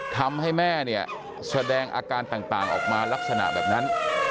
ทำให้แม่เนี่ยแสดงอาการต่างออกมาลักษณะแบบนั้น